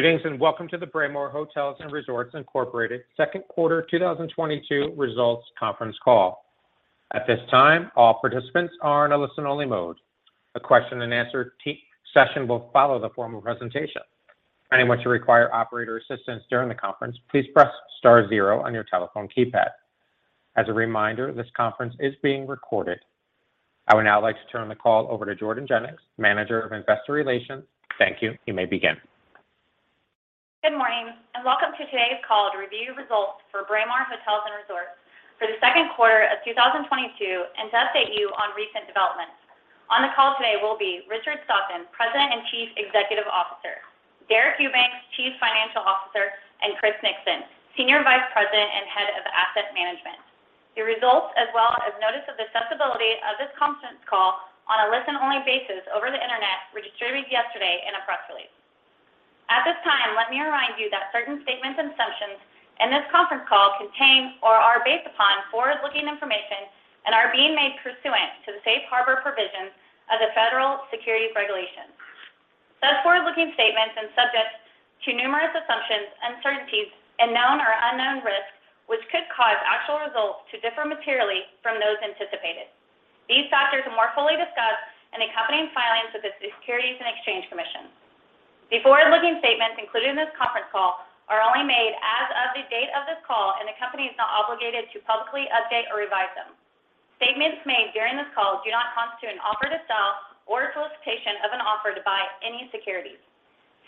Greetings, and welcome to the Braemar Hotels & Resorts Incorporated second quarter 2022 results conference call. At this time, all participants are in a listen-only mode. A question-and-answer session will follow the formal presentation. Anyone requiring operator assistance during the conference, please press star zero on your telephone keypad. As a reminder, this conference is being recorded. I would now like to turn the call over to Jordan Jennings, Manager of Investor Relations. Thank you. You may begin. Good morning, and welcome to today's call to review results for Braemar Hotels & Resorts for the second quarter of 2022 and to update you on recent developments. On the call today will be Richard Stockton, President and Chief Executive Officer, Deric Eubanks, Chief Financial Officer, and Chris Nixon, Senior Vice President and Head of Asset Management. The results, as well as notice of accessibility of this conference call on a listen-only basis over the Internet, were distributed yesterday in a press release. At this time, let me remind you that certain statements and assumptions in this conference call contain or are based upon forward-looking information and are being made pursuant to the safe harbor provisions of the Federal Securities Regulation. Such forward-looking statements are subject to numerous assumptions, uncertainties, and known or unknown risks, which could cause actual results to differ materially from those anticipated. These factors are more fully discussed in accompanying filings with the Securities and Exchange Commission. The forward-looking statements included in this conference call are only made as of the date of this call, and the company is not obligated to publicly update or revise them. Statements made during this call do not constitute an offer to sell or solicitation of an offer to buy any securities.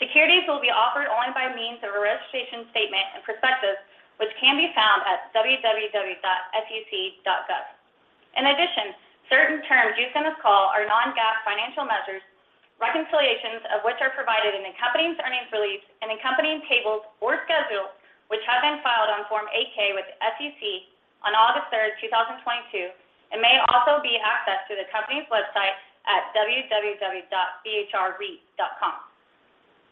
Securities will be offered only by means of a registration statement and prospectus, which can be found at www.sec.gov. In addition, certain terms used in this call are non-GAAP financial measures, reconciliations of which are provided in accompanying earnings release and accompanying tables or schedules, which have been filed on Form 8-K with the SEC on August 3rd, 2022, and may also be accessed through the company's website at www.bhrreit.com.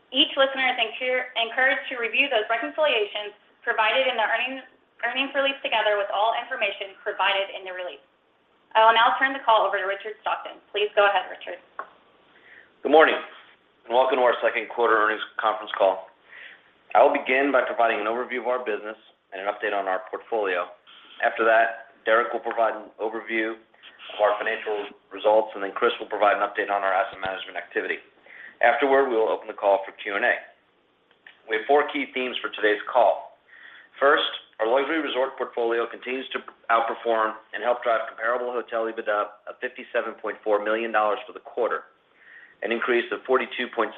Each listener is encouraged to review those reconciliations provided in the earnings release together with all information provided in the release. I will now turn the call over to Richard Stockton. Please go ahead, Richard. Good morning, and welcome to our second quarter earnings conference call. I will begin by providing an overview of our business and an update on our portfolio. After that, Deric will provide an overview of our financial results, and then Chris will provide an update on our asset management activity. Afterward, we will open the call for Q&A. We have four key themes for today's call. First, our luxury resort portfolio continues to outperform and help drive comparable hotel EBITDA of $57.4 million for the quarter, an increase of 42.7%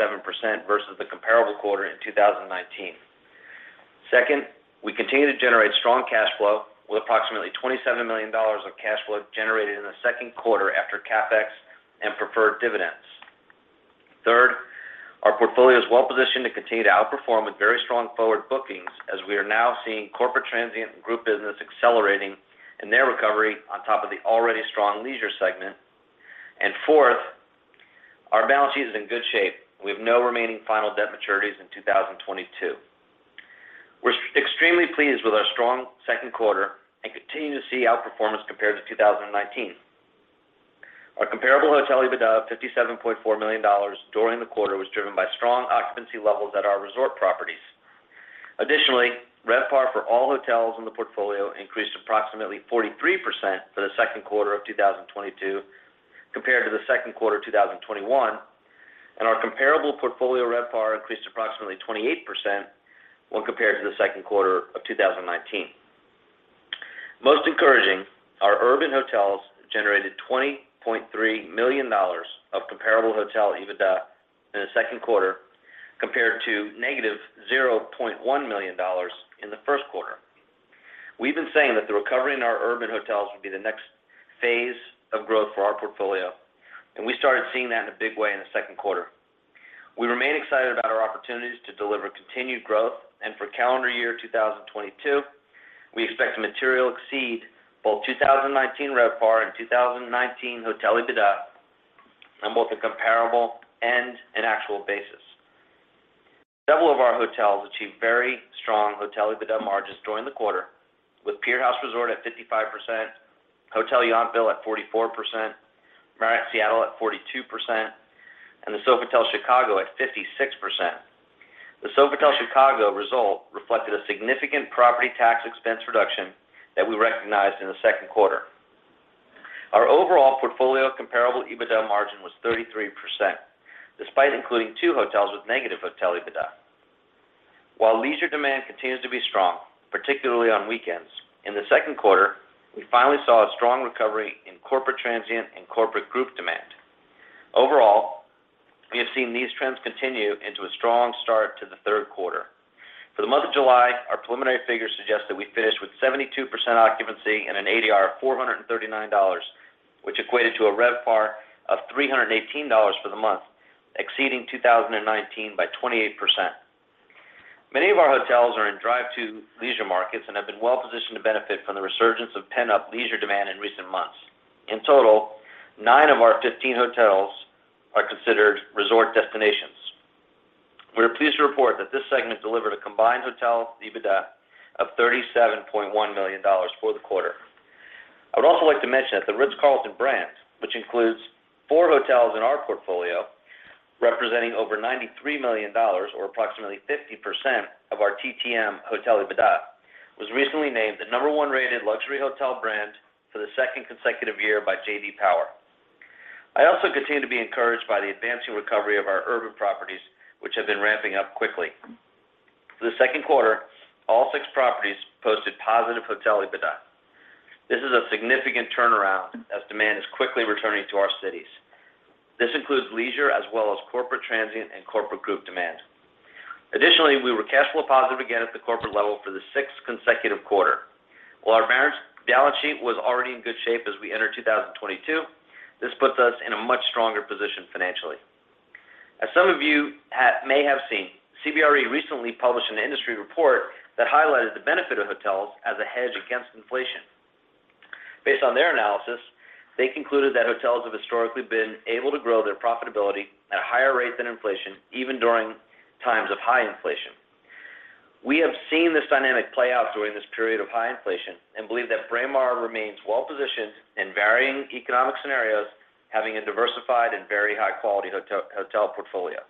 versus the comparable quarter in 2019. Second, we continue to generate strong cash flow with approximately $27 million of cash flow generated in the second quarter after CapEx and preferred dividends. Third, our portfolio is well positioned to continue to outperform with very strong forward bookings as we are now seeing corporate transient and group business accelerating in their recovery on top of the already strong leisure segment. Fourth, our balance sheet is in good shape. We have no remaining final debt maturities in 2022. We're extremely pleased with our strong second quarter and continue to see outperformance compared to 2019. Our comparable hotel EBITDA of $57.4 million during the quarter was driven by strong occupancy levels at our resort properties. Additionally, RevPAR for all hotels in the portfolio increased approximately 43% for the second quarter of 2022 compared to the second quarter of 2021, and our comparable portfolio RevPAR increased approximately 28% when compared to the second quarter of 2019. Most encouraging, our urban hotels generated $20.3 million of comparable hotel EBITDA in the second quarter compared to -$0.1 million in the first quarter. We've been saying that the recovery in our urban hotels would be the next phase of growth for our portfolio, and we started seeing that in a big way in the second quarter. We remain excited about our opportunities to deliver continued growth. For calendar year 2022, we expect to materially exceed both 2019 RevPAR and 2019 hotel EBITDA on both a comparable and an actual basis. Several of our hotels achieved very strong hotel EBITDA margins during the quarter, with Pier House Resort at 55%, Hotel Yountville at 44%, Marriott Seattle at 42%, and the Sofitel Chicago at 56%. The Sofitel Chicago result reflected a significant property tax expense reduction that we recognized in the second quarter. Our overall portfolio comparable EBITDA margin was 33%, despite including two hotels with negative hotel EBITDA. While leisure demand continues to be strong, particularly on weekends, in the second quarter, we finally saw a strong recovery in corporate transient and corporate group demand. Overall, we have seen these trends continue into a strong start to the third quarter. For the month of July, our preliminary figures suggest that we finished with 72% occupancy and an ADR of $439, which equated to a RevPAR of $318 for the month, exceeding 2019 by 28%. Many of our hotels are in drive-to leisure markets and have been well-positioned to benefit from the resurgence of pent-up leisure demand in recent months. In total, nine of our 15 hotels are considered resort destinations. We are pleased to report that this segment delivered a combined hotel EBITDA of $37.1 million for the quarter. I would also like to mention that The Ritz-Carlton brand, which includes four hotels in our portfolio representing over $93 million or approximately 50% of our TTM hotel EBITDA, was recently named the number one rated luxury hotel brand for the second consecutive year by J.D. Power. I also continue to be encouraged by the advancing recovery of our urban properties, which have been ramping up quickly. For the second quarter, all six properties posted positive hotel EBITDA. This is a significant turnaround as demand is quickly returning to our cities. This includes leisure as well as corporate transient and corporate group demand. Additionally, we were cash flow positive again at the corporate level for the sixth consecutive quarter. While our balance sheet was already in good shape as we enter 2022, this puts us in a much stronger position financially. As some of you may have seen, CBRE recently published an industry report that highlighted the benefit of hotels as a hedge against inflation. Based on their analysis, they concluded that hotels have historically been able to grow their profitability at a higher rate than inflation, even during times of high inflation. We have seen this dynamic play out during this period of high inflation and believe that Braemar remains well positioned in varying economic scenarios, having a diversified and very high-quality hotel portfolio.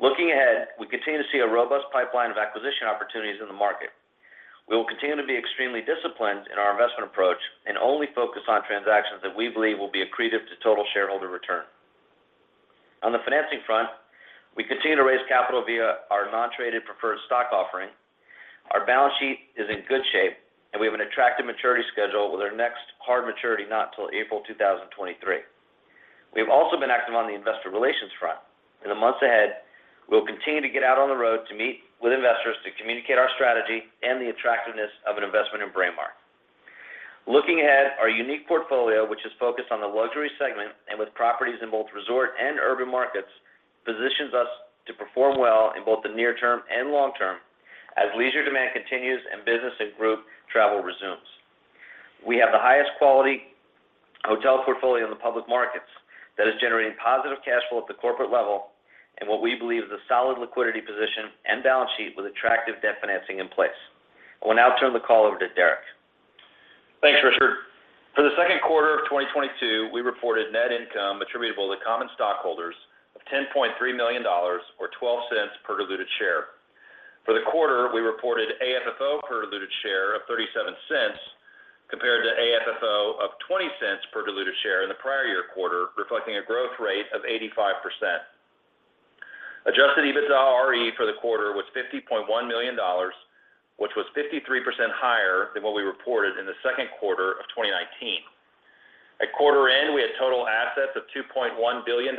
Looking ahead, we continue to see a robust pipeline of acquisition opportunities in the market. We will continue to be extremely disciplined in our investment approach and only focus on transactions that we believe will be accretive to total shareholder return. On the financing front, we continue to raise capital via our non-traded preferred stock offering. Our balance sheet is in good shape, and we have an attractive maturity schedule with our next hard maturity not till April 2023. We have also been active on the investor relations front. In the months ahead, we'll continue to get out on the road to meet with investors to communicate our strategy and the attractiveness of an investment in Braemar. Looking ahead, our unique portfolio, which is focused on the luxury segment and with properties in both resort and urban markets, positions us to perform well in both the near term and long term as leisure demand continues and business and group travel resumes. We have the highest quality hotel portfolio in the public markets that is generating positive cash flow at the corporate level and what we believe is a solid liquidity position and balance sheet with attractive debt financing in place. I will now turn the call over to Deric. Thanks, Richard. For the second quarter of 2022, we reported net income attributable to common stockholders of $10.3 million or $0.12 per diluted share. For the quarter, we reported AFFO per diluted share of $0.37 compared to AFFO of $0.20 per diluted share in the prior year quarter, reflecting a growth rate of 85%. Adjusted EBITDAre for the quarter was $50.1 million, which was 53% higher than what we reported in the second quarter of 2019. At quarter end, we had total assets of $2.1 billion.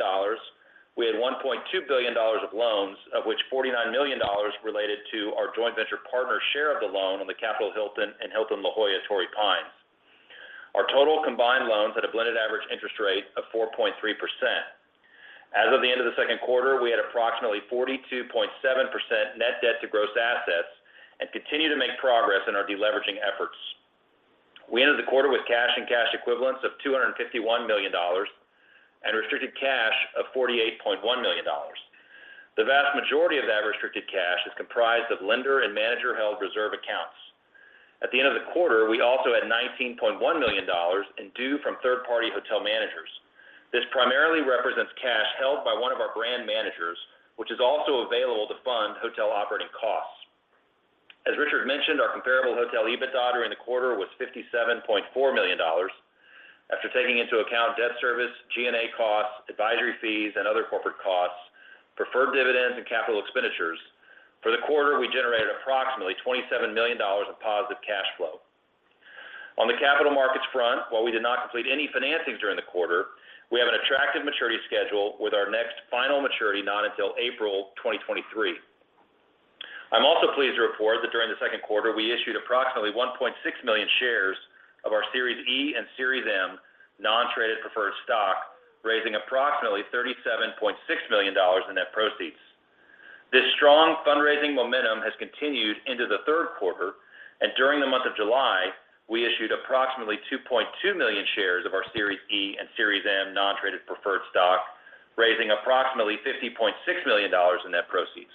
We had $1.2 billion of loans, of which $49 million related to our joint venture partner's share of the loan on the Capital Hilton and Hilton La Jolla Torrey Pines. Our total combined loans at a blended average interest rate of 4.3%. As of the end of the second quarter, we had approximately 42.7% net debt to gross assets and continue to make progress in our deleveraging efforts. We ended the quarter with cash and cash equivalents of $251 million and restricted cash of $48.1 million. The vast majority of that restricted cash is comprised of lender and manager-held reserve accounts. At the end of the quarter, we also had $19.1 million in due from third-party hotel managers. This primarily represents cash held by one of our brand managers, which is also available to fund hotel operating costs. As Richard mentioned, our comparable hotel EBITDA during the quarter was $57.4 million. After taking into account debt service, G&A costs, advisory fees, and other corporate costs, preferred dividends, and capital expenditures, for the quarter, we generated approximately $27 million of positive cash flow. On the capital markets front, while we did not complete any financings during the quarter, we have an attractive maturity schedule with our next final maturity not until April 2023. I'm also pleased to report that during the second quarter, we issued approximately 1.6 million shares of our Series E and Series M non-traded preferred stock, raising approximately $37.6 million in net proceeds. This strong fundraising momentum has continued into the third quarter, and during the month of July, we issued approximately 2.2 million shares of our Series E and Series M non-traded preferred stock, raising approximately $50.6 million in net proceeds.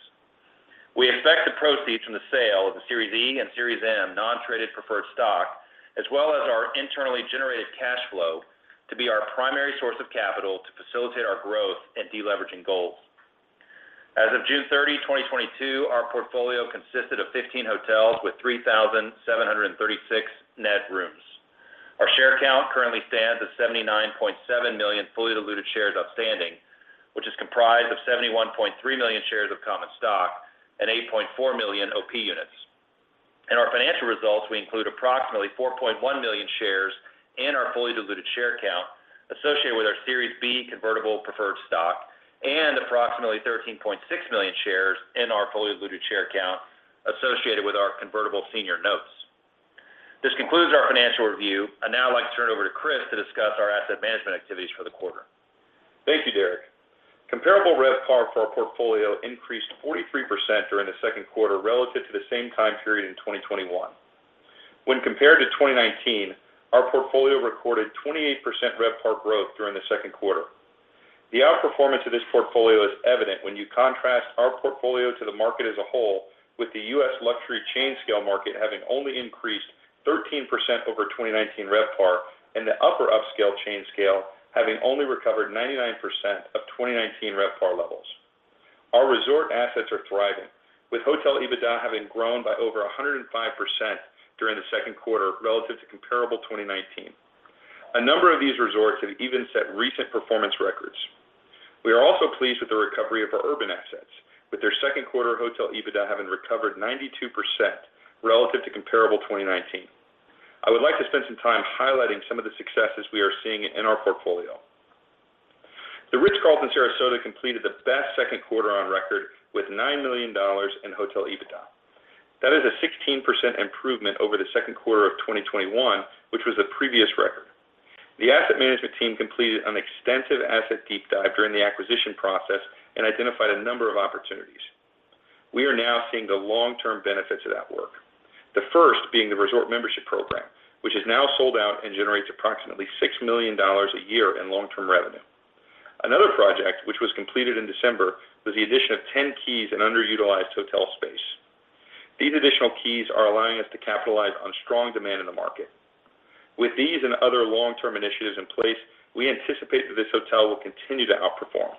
We expect the proceeds from the sale of the Series E and Series M non-traded preferred stock, as well as our internally generated cash flow, to be our primary source of capital to facilitate our growth and deleveraging goals. As of June 30, 2022, our portfolio consisted of 15 hotels with 3,736 net rooms. Our share count currently stands at 79.7 million fully diluted shares outstanding, which is comprised of 71.3 million shares of common stock and 8.4 million OP units. In our financial results, we include approximately 4.1 million shares in our fully diluted share count associated with our Series B convertible preferred stock and approximately 13.6 million shares in our fully diluted share count associated with our convertible senior notes. This concludes our financial review. I'd now like to turn it over to Chris to discuss our asset management activities for the quarter. Thank you, Deric. Comparable RevPAR for our portfolio increased 43% during the second quarter relative to the same time period in 2021. When compared to 2019, our portfolio recorded 28% RevPAR growth during the second quarter. The outperformance of this portfolio is evident when you contrast our portfolio to the market as a whole, with the US luxury chain scale market having only increased 13% over 2019 RevPAR, and the upper upscale chain scale having only recovered 99% of 2019 RevPAR levels. Our resort assets are thriving, with hotel EBITDA having grown by over 105% during the second quarter relative to comparable 2019. A number of these resorts have even set recent performance records. We are also pleased with the recovery of our urban assets, with their second quarter hotel EBITDA having recovered 92% relative to comparable 2019. I would like to spend some time highlighting some of the successes we are seeing in our portfolio. The Ritz-Carlton, Sarasota completed the best second quarter on record with $9 million in hotel EBITDA. That is a 16% improvement over the second quarter of 2021, which was the previous record. The asset management team completed an extensive asset deep dive during the acquisition process and identified a number of opportunities. We are now seeing the long-term benefits of that work. The first being the resort membership program, which is now sold out and generates approximately $6 million a year in long-term revenue. Another project, which was completed in December, was the addition of 10 keys in underutilized hotel space. These additional keys are allowing us to capitalize on strong demand in the market. With these and other long-term initiatives in place, we anticipate that this hotel will continue to outperform.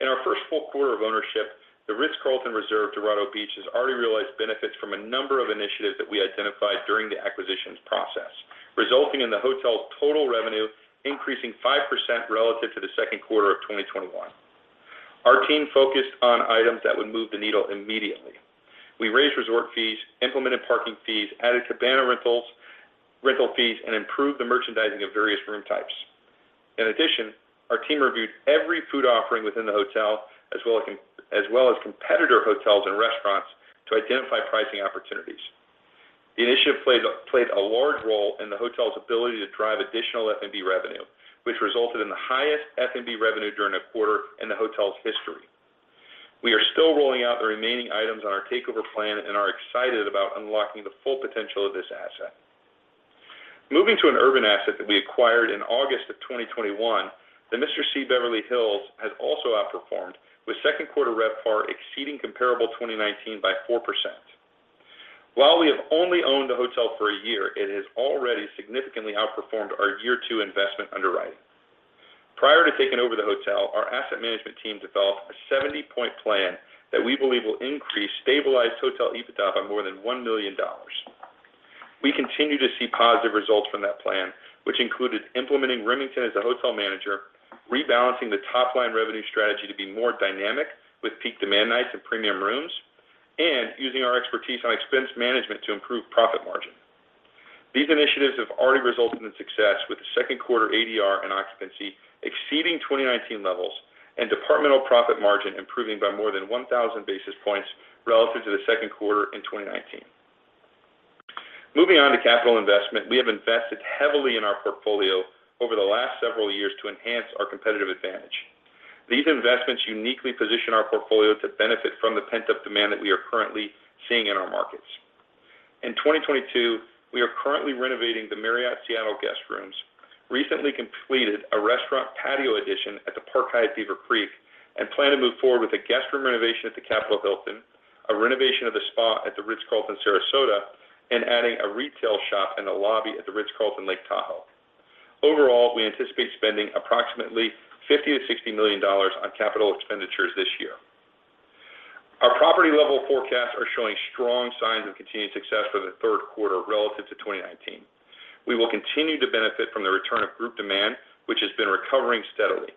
In our first full quarter of ownership, The Ritz-Carlton Reserve Dorado Beach, has already realized benefits from a number of initiatives that we identified during the acquisitions process, resulting in the hotel's total revenue increasing 5% relative to the second quarter of 2021. Our team focused on items that would move the needle immediately. We raised resort fees, implemented parking fees, added cabana rentals, rental fees, and improved the merchandising of various room types. In addition, our team reviewed every food offering within the hotel, as well as competitor hotels and restaurants to identify pricing opportunities. The initiative played a large role in the hotel's ability to drive additional F&B revenue, which resulted in the highest F&B revenue during a quarter in the hotel's history. We are still rolling out the remaining items on our takeover plan and are excited about unlocking the full potential of this asset. Moving to an urban asset that we acquired in August of 2021, Mr. C Beverly Hills has also outperformed, with second quarter RevPAR exceeding comparable 2019 by 4%. While we have only owned the hotel for a year, it has already significantly outperformed our year two investment underwriting. Prior to taking over the hotel, our asset management team developed a 70-point plan that we believe will increase stabilized hotel EBITDA by more than $1 million. We continue to see positive results from that plan, which included implementing Remington as the hotel manager, rebalancing the top-line revenue strategy to be more dynamic with peak demand nights and premium rooms, and using our expertise on expense management to improve profit margin. These initiatives have already resulted in success with the second quarter ADR and occupancy exceeding 2019 levels and departmental profit margin improving by more than 1,000 basis points relative to the second quarter in 2019. Moving on to capital investment, we have invested heavily in our portfolio over the last several years to enhance our competitive advantage. These investments uniquely position our portfolio to benefit from the pent-up demand that we are currently seeing in our markets. In 2022, we are currently renovating the Marriott Seattle Waterfront guest rooms, recently completed a restaurant patio addition at the Park Hyatt Beaver Creek, and plan to move forward with a guest room renovation at the Capital Hilton, a renovation of the spa at The Ritz-Carlton, Sarasota, and adding a retail shop in the lobby at The Ritz-Carlton, Lake Tahoe. Overall, we anticipate spending approximately $50-$60 million on capital expenditures this year. Our property-level forecasts are showing strong signs of continued success for the third quarter relative to 2019. We will continue to benefit from the return of group demand, which has been recovering steadily.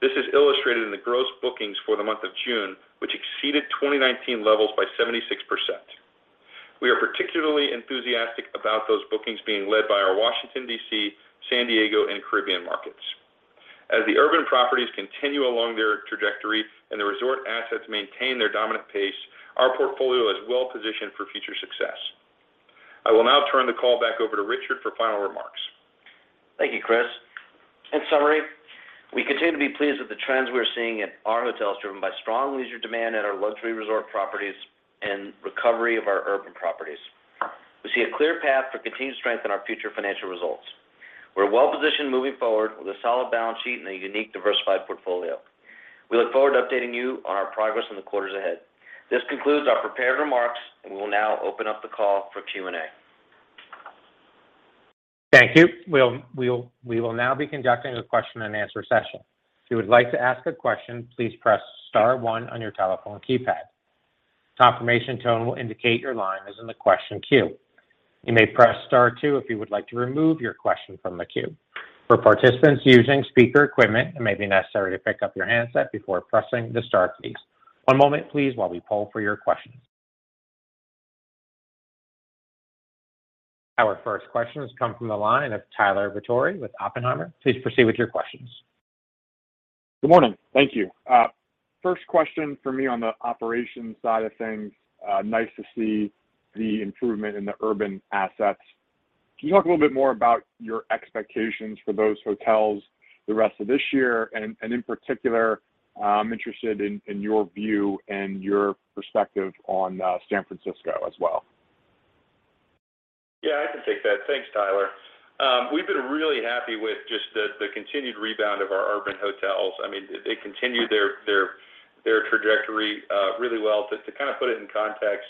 This is illustrated in the gross bookings for the month of June, which exceeded 2019 levels by 76%. We are particularly enthusiastic about those bookings being led by our Washington, D.C., San Diego, and Caribbean markets. As the urban properties continue along their trajectory and the resort assets maintain their dominant pace, our portfolio is well positioned for future success. I will now turn the call back over to Richard for final remarks. Thank you, Chris. In summary, we continue to be pleased with the trends we are seeing at our hotels, driven by strong leisure demand at our luxury resort properties and recovery of our urban properties. We see a clear path for continued strength in our future financial results. We're well positioned moving forward with a solid balance sheet and a unique, diversified portfolio. We look forward to updating you on our progress in the quarters ahead. This concludes our prepared remarks, and we will now open up the call for Q&A. Thank you. We will now be conducting a question and answer session. If you would like to ask a question, please press star one on your telephone keypad. A confirmation tone will indicate your line is in the question queue. You may press star two if you would like to remove your question from the queue. For participants using speaker equipment, it may be necessary to pick up your handset before pressing the star keys. One moment, please, while we poll for your questions. Our first question has come from the line of Tyler Batory with Oppenheimer. Please proceed with your questions. Good morning. Thank you. First question for me on the operations side of things, nice to see the improvement in the urban assets. Can you talk a little bit more about your expectations for those hotels the rest of this year? In particular, I'm interested in your view and your perspective on San Francisco as well? Yeah, I can take that. Thanks, Tyler. We've been really happy with just the continued rebound of our urban hotels. I mean, they continued their trajectory really well. Just to kind of put it in context,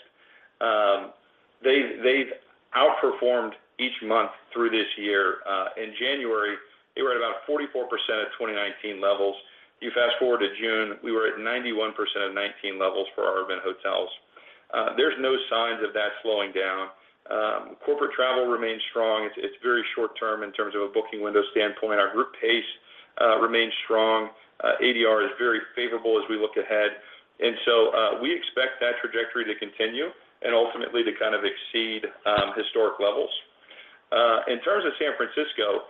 they've outperformed each month through this year. In January, they were at about 44% of 2019 levels. You fast-forward to June, we were at 91% of 2019 levels for our urban hotels. There's no signs of that slowing down. Corporate travel remains strong. It's very short term in terms of a booking window standpoint. Our group pace remains strong. ADR is very favorable as we look ahead. We expect that trajectory to continue and ultimately to kind of exceed historic levels. In terms of San Francisco,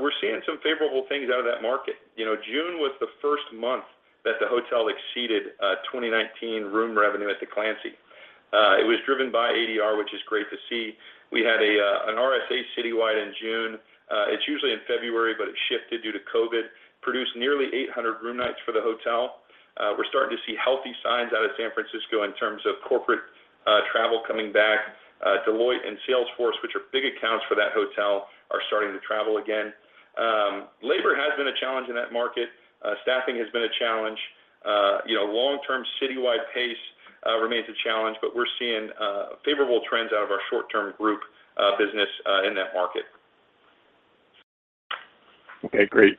we're seeing some favorable things out of that market. You know, June was the first month that the hotel exceeded 2019 room revenue at The Clancy. It was driven by ADR, which is great to see. We had an RSA citywide in June. It's usually in February, but it shifted due to COVID, produced nearly 800 room nights for the hotel. We're starting to see healthy signs out of San Francisco in terms of corporate travel coming back. Deloitte and Salesforce, which are big accounts for that hotel, are starting to travel again. Labor has been a challenge in that market. Staffing has been a challenge. You know, long-term citywide pace remains a challenge, but we're seeing favorable trends out of our short-term group business in that market. Okay, great.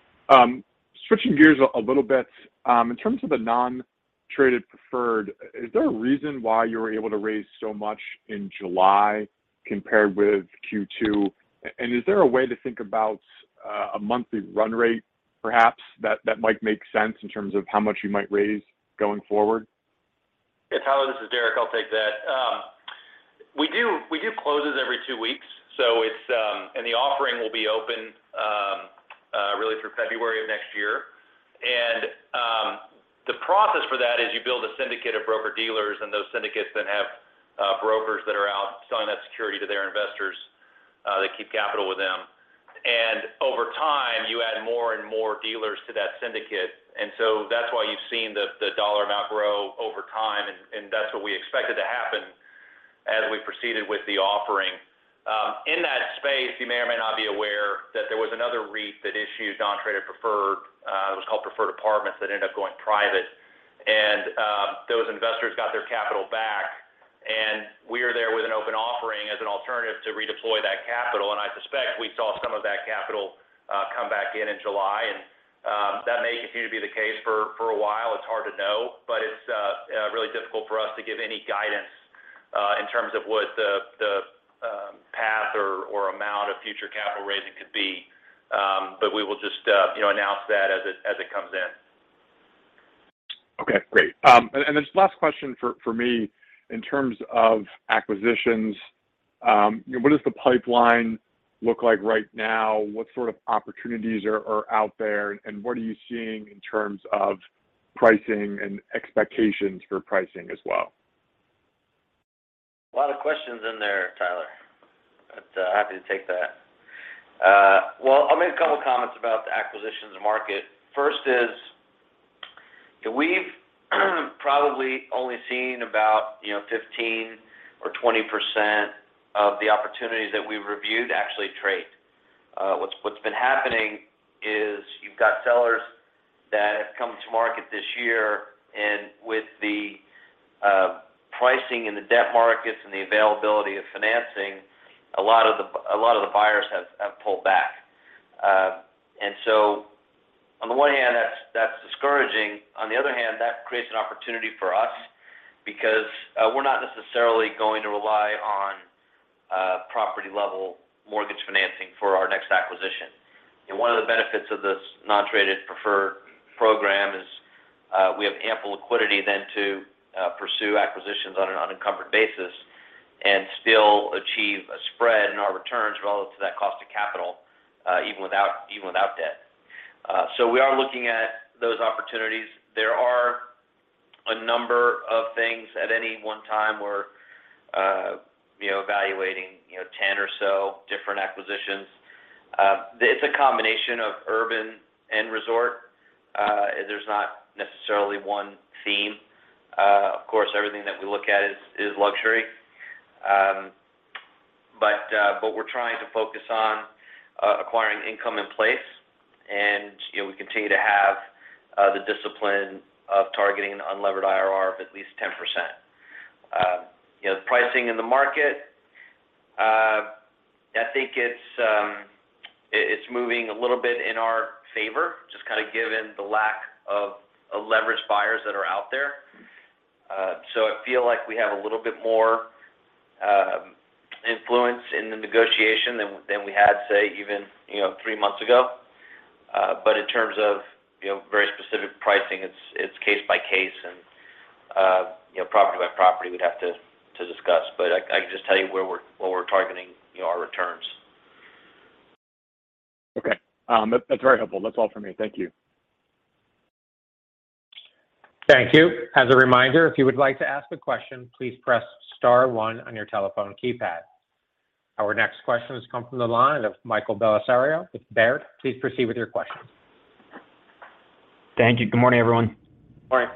Switching gears a little bit, in terms of the non-traded preferred, is there a reason why you were able to raise so much in July compared with Q2? Is there a way to think about a monthly run rate, perhaps, that might make sense in terms of how much you might raise going forward? Yeah, Tyler, this is Deric. I'll take that. We do closes every two weeks, so it's the offering will be open really through February of next year. The process for that is you build a syndicate of broker-dealers, and those syndicates then have brokers that are out selling that security to their investors that keep capital with them. Over time, you add more and more dealers to that syndicate. That's why you've seen the dollar amount grow over time, and that's what we expected to happen as we proceeded with the offering. In that space, you may or may not be aware that there was another REIT that issued non-traded preferred, it was called Preferred Apartment Communities, that ended up going private. Those investors got their capital back. We are there with an open offering as an alternative to redeploy that capital. I suspect we saw some of that capital come back in July. That may continue to be the case for a while. It's hard to know. It's really difficult for us to give any guidance in terms of what the path or amount of future capital raising could be. We will just you know announce that as it comes in. Okay, great. This last question for me in terms of acquisitions, what does the pipeline look like right now? What sort of opportunities are out there? What are you seeing in terms of pricing and expectations for pricing as well? A lot of questions in there, Tyler, but happy to take that. Well, I'll make a couple of comments about the acquisitions market. First is that we've probably only seen about, you know, 15 or 20% of the opportunities that we've reviewed actually trade. What's been happening is you've got sellers that have come to market this year, and with the pricing in the debt markets and the availability of financing, a lot of the buyers have pulled back. On the one hand, that's discouraging. On the other hand, that creates an opportunity for us because we're not necessarily going to rely on property-level mortgage financing for our next acquisition. One of the benefits of this non-traded preferred program is, we have ample liquidity than to pursue acquisitions on an unencumbered basis and still achieve a spread in our returns relative to that cost of capital, even without debt. We are looking at those opportunities. There are a number of things at any one time. We're, you know, evaluating, you know, 10 or so different acquisitions. It's a combination of urban and resort. There's not necessarily one theme. Of course, everything that we look at is luxury. But we're trying to focus on acquiring income in place. You know, we continue to have the discipline of targeting an unlevered IRR of at least 10%. You know, the pricing in the market, I think it's moving a little bit in our favor, just kind of given the lack of leverage buyers that are out there. I feel like we have a little bit more influence in the negotiation than we had say even, you know, three months ago. In terms of, you know, very specific pricing, it's case by case and, you know, property by property we'd have to discuss. I can just tell you what we're targeting, you know, our returns. Okay. That's very helpful. That's all for me. Thank you. Thank you. As a reminder, if you would like to ask a question, please press star one on your telephone keypad. Our next question has come from the line of Michael Bellisario with Baird. Please proceed with your question. Thank you. Good morning, everyone. Morning.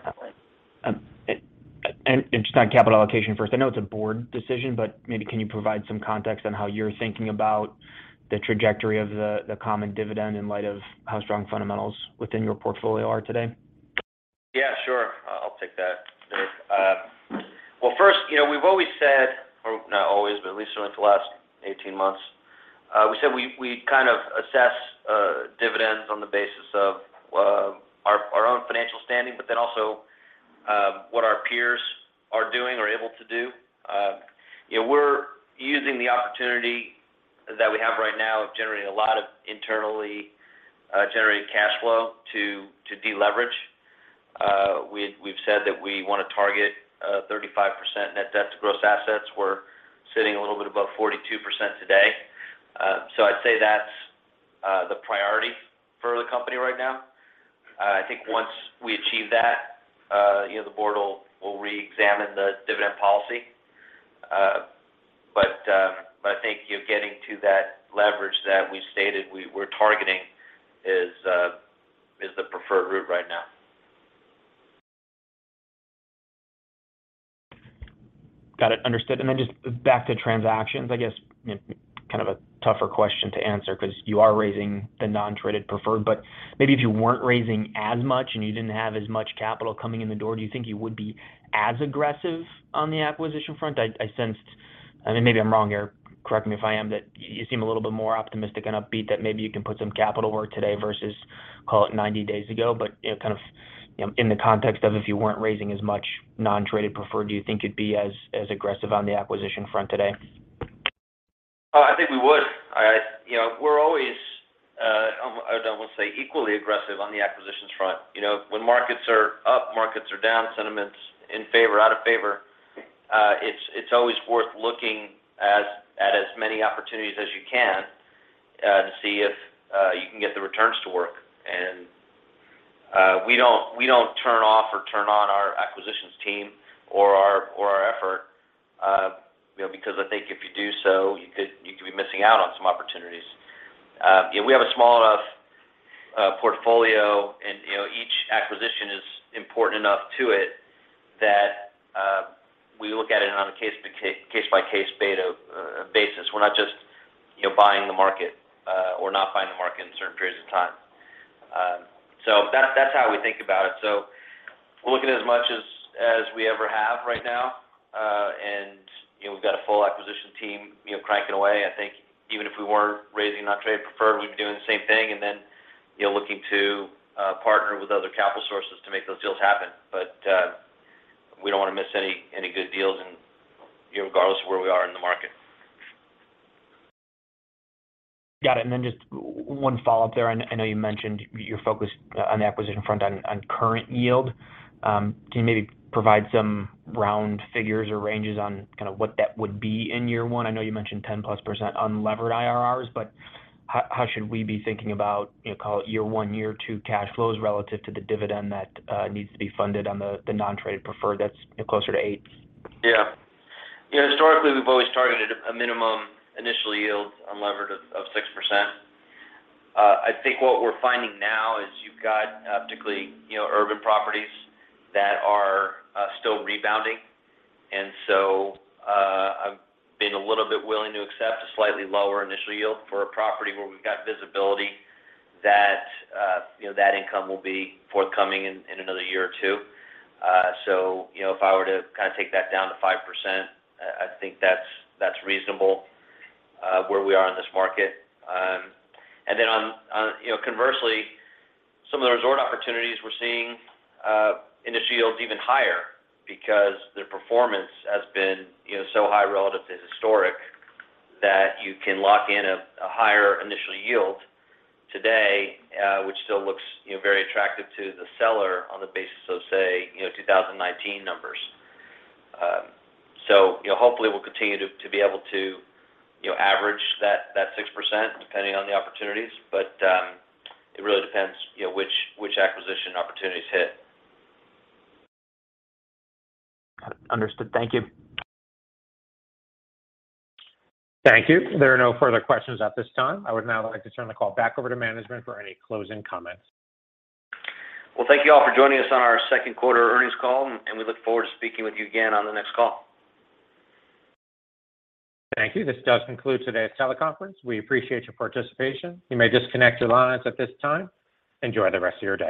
Just on capital allocation first. I know it's a board decision, but maybe can you provide some context on how you're thinking about the trajectory of the common dividend in light of how strong fundamentals within your portfolio are today? Yeah, sure. I'll take that, Michael Bellisario. Well, first, you know, we've always said, or not always, but at least for the last 18 months, we said we kind of assess dividends on the basis of our own financial standing, but then also what our peers are doing or able to do. You know, we're using the opportunity that we have right now of generating cash flow to deleverage. We've said that we wanna target 35% net debt to gross assets. We're sitting a little bit above 42% today. So I'd say that's the priority for the company right now. I think once we achieve that, you know, the board will reexamine the dividend policy. I think, you know, getting to that leverage that we stated we're targeting is the preferred route right now. Got it. Understood. Then just back to transactions, I guess, you know, kind of a tougher question to answer because you are raising the non-traded preferred, but maybe if you weren't raising as much, and you didn't have as much capital coming in the door, do you think you would be as aggressive on the acquisition front? I sensed. I mean, maybe I'm wrong here. Correct me if I am, that you seem a little bit more optimistic and upbeat that maybe you can put some capital to work today versus, call it 90 days ago. You know, kind of, you know, in the context of if you weren't raising as much non-traded preferred, do you think you'd be as aggressive on the acquisition front today? I think we would. You know, we're always, I don't wanna say equally aggressive on the acquisitions front. You know, when markets are up, markets are down, sentiment in favor, out of favor, it's always worth looking at as many opportunities as you can, to see if you can get the returns to work. We don't turn off or turn on our acquisitions team or our effort, you know, because I think if you do so, you could be missing out on some opportunities. You know, we have a small enough portfolio and, you know, each acquisition is important enough to it that we look at it on a case by case basis. We're not just, you know, buying the market, or not buying the market in certain periods of time. That's how we think about it. We're looking as much as we ever have right now. You know, we've got a full acquisition team, you know, cranking away. I think even if we weren't raising non-traded preferred, we'd be doing the same thing and then, you know, looking to partner with other capital sources to make those deals happen. We don't wanna miss any good deals and, you know, regardless of where we are in the market. Got it. Just one follow-up there. I know you mentioned your focus on the acquisition front on current yield. Can you maybe provide some round figures or ranges on kind of what that would be in year one? I know you mentioned 10%+ unlevered IRRs, but how should we be thinking about, you know, call it year one, year two cash flows relative to the dividend that needs to be funded on the non-traded preferred that's closer to 8%? Yeah. Yeah, historically, we've always targeted a minimum initial yield unlevered of 6%. I think what we're finding now is you've got particularly, you know, urban properties that are still rebounding. I've been a little bit willing to accept a slightly lower initial yield for a property where we've got visibility that, you know, that income will be forthcoming in another year or two. You know, if I were to kind of take that down to 5%, I think that's reasonable where we are in this market. You know, conversely, some of the resort opportunities we're seeing, initial yields even higher because their performance has been, you know, so high relative to historic that you can lock in a higher initial yield today, which still looks, you know, very attractive to the seller on the basis of, say, you know, 2019 numbers. You know, hopefully we'll continue to be able to, you know, average that 6% depending on the opportunities. It really depends, you know, which acquisition opportunities hit. Got it. Understood. Thank you. Thank you. There are no further questions at this time. I would now like to turn the call back over to management for any closing comments. Well, thank you all for joining us on our second quarter earnings call, and we look forward to speaking with you again on the next call. Thank you. This does conclude today's teleconference. We appreciate your participation. You may disconnect your lines at this time. Enjoy the rest of your day.